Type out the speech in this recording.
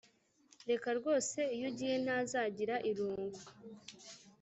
reka rwose iyo ugiye ntuzagira irunguuu